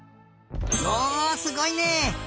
おすごいね！